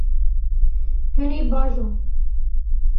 Hûn ê biajon.